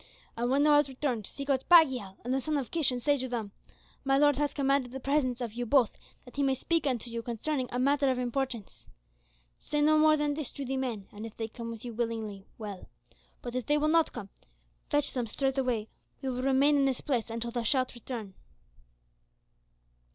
And when thou art returned seek out Pagiel and the son of Kish and say to them: 'My lord hath commanded the presence of you both that he may speak unto you concerning a matter of importance.' Say no more than this to the men, and if they come with you willingly, well, but if they will not come, then fetch them straightway. We will remain in this place until thou shalt return."